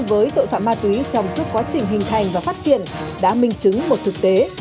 với tội phạm ma túy trong suốt quá trình hình thành và phát triển đã minh chứng một thực tế